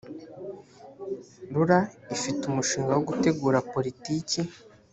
rura ifite umushinga wo gutegura politiki